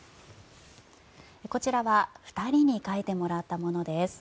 こちらは２人に描いてもらったものです。